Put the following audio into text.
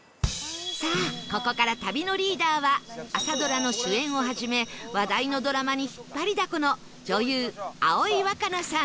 さあここから旅のリーダーは朝ドラの主演をはじめ話題のドラマに引っ張りだこの女優葵わかなさん